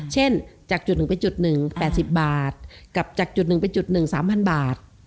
เช่นจากจุดหนึ่งไปจุดหนึ่ง๘๐บาทกับจุดหนึ่งไปจุดหนึ่ง๓๐๐๐บาท